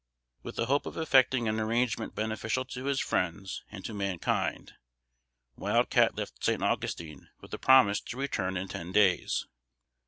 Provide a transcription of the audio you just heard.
With the hope of effecting an arrangement beneficial to his friends and to mankind, Wild Cat left San Augustine with the promise to return in ten days.